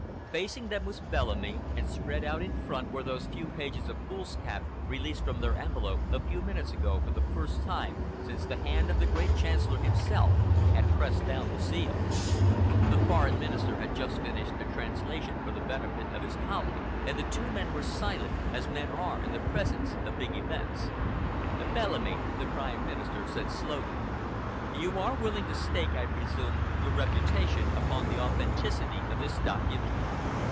Facing them was Bellamy, and spread out in front were those few pages of foolscap, released from their envelope a few minutes ago for the first time since the hand of the great Chancellor himself had pressed down the seal. The Foreign Minister had just finished a translation for the benefit of his colleague, and the two men were silent, as men are in the presence of big events. "Bellamy," the Prime Minister said slowly, "you are willing to stake, I presume, your reputation upon the authenticity of this document?"